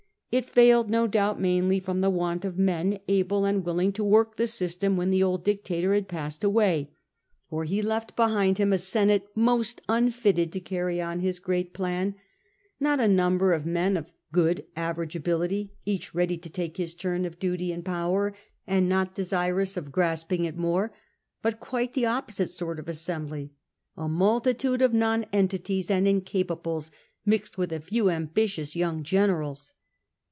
It failed no doubt, mainly from the want of men able and willing to work the system when the old dictator had passed away. For he left behind him a Senate most unfitted to carry on his great plan — not a number of men of good average ability, each ready to take his turn of duty and power and not desirous of grasping at more, but quite the opposite sort of assembly — a multitude of nonentities and incapables mixed with a few ambitious young generals.